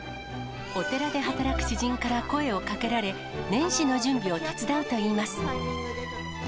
お寺で働く知人から声をかけられ、年始の準備を手伝うといいます。